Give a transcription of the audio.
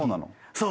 そう。